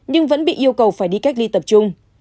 nhưng vẫn bị yêu cầu phải đi cách ly tập trung